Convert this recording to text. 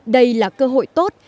đây là cơ hội tốt